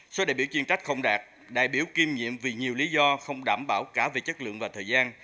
số đại biểu chuyên trách không đạt đại biểu kiêm nhiệm vì nhiều lý do không đảm bảo cả về chất lượng và thời gian